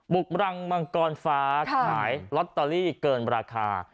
กรังมังกรฟ้าขายลอตเตอรี่เกินราคา